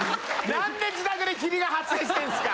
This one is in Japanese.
何で自宅で霧が発生してんすか。